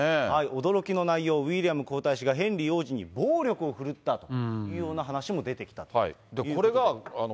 驚きの内容、ウィリアム皇太子がヘンリー王子に暴力を振るったというような話も出てきたということで。